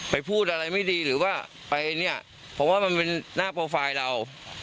พูดอะไรไม่ดีหรือว่าไปเนี่ยผมว่ามันเป็นหน้าโปรไฟล์เรา